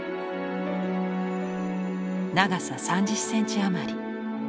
長さ３０センチ余り。